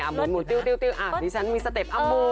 อ่ะนี่ฉันมีสเต็ปอ่ะหมุน